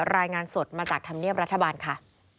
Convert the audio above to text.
รายงานสดมาจากธรรมเนียบรัฐบาลค่ะ